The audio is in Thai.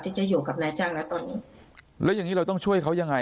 ที่จะอยู่กับนายจ้างแล้วตอนนี้แล้วอย่างงี้เราต้องช่วยเขายังไง